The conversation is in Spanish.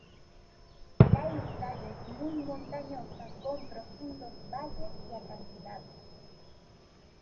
La isla es muy montañosa, con profundos valles y acantilados.